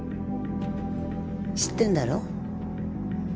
知ってるんだろ？